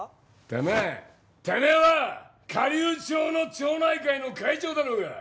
てめぇは火竜町の町内会の会長だろうが！